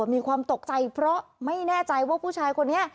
มีความตกใจเพราะไม่แน่ใจว่าผู้ชายคนนี้